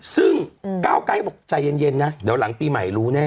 ซึ่งก้าวไกรก็บอกใจเย็นนะเดี๋ยวหลังปีใหม่รู้แน่